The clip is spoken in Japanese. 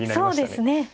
そうですね。